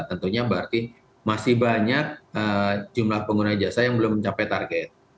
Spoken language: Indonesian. tentunya berarti masih banyak jumlah pengguna jasa yang belum mencapai target